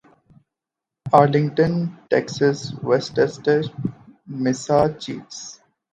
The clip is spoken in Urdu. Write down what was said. آرلنگٹن ٹیکساس ویسٹسٹر میساچیٹس